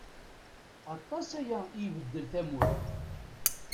Aṭas aya i ibeddel tamurt.